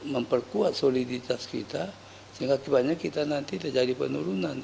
memperkuat soliditas kita sehingga kebanyakan kita nanti menjadi penurunan